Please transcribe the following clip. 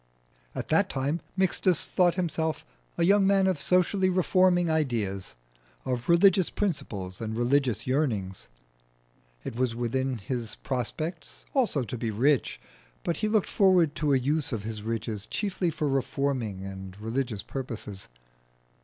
At that time Mixtus thought himself a young man of socially reforming ideas, of religious principles and religious yearnings. It was within his prospects also to be rich, but he looked forward to a use of his riches chiefly for reforming and religious purposes.